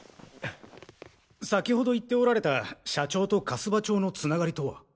先ほど言っておられた社長と粕場町の繋がりとは？